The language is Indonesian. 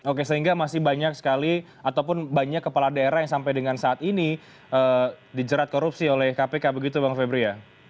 oke sehingga masih banyak sekali ataupun banyak kepala daerah yang sampai dengan saat ini dijerat korupsi oleh kpk begitu bang febri ya